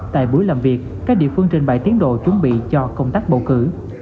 tại buổi làm việc các địa phương trên bãi tiến đồ chuẩn bị cho công tác bầu cử